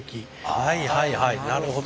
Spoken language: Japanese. はいはいはいなるほど。